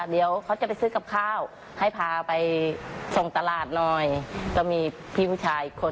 เออเอาไว้๓๐๐๐โทษ